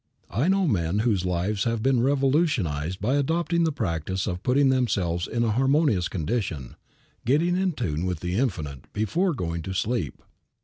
I know men whose lives have been revolutionized by adopting the practice of putting themselves in a harmonious condition, getting in tune with the Infinite before going to sleep.